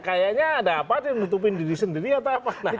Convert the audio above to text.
kayaknya ada apa sih menutupin diri sendiri atau apa